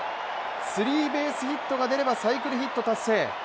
スリーベースヒットが出ればサイクルヒット達成。